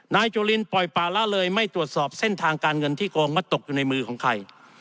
จุลินปล่อยป่าละเลยไม่ตรวจสอบเส้นทางการเงินที่โกงว่าตกอยู่ในมือของใคร